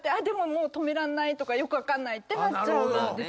でももう止められないとかよく分かんないってなっちゃう。